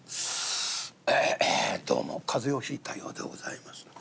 「どうも風邪をひいたようでございます。